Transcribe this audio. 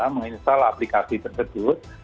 menginstall aplikasi tersebut